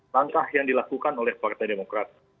langkah yang dilakukan oleh partai demokrat